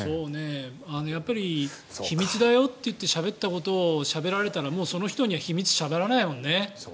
やっぱり秘密だよと言ってしゃべったことをしゃべられたら、その人には秘密をしゃべられないよね。